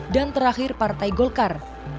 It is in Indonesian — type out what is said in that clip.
dan terakhir partai golkar